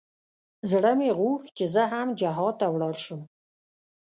زړه مې غوښت چې زه هم جهاد ته ولاړ سم.